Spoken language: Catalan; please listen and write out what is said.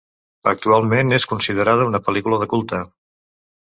Actualment és considerada una pel·lícula de culte.